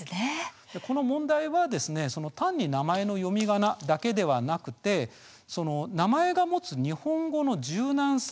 この問題は単に名前の読みがなだけではなくて名前の持つ日本語の柔軟さ